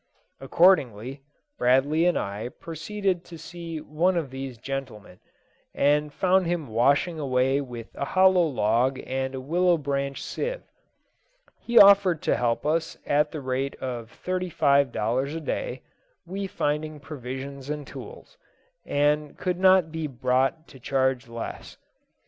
Accordingly, Bradley and I proceeded to see one of these gentlemen, and found him washing away with a hollow log and a willow branch sieve. He offered to help us at the rate of thirty five dollars a day, we finding provisions and tools, and could not be brought to charge less.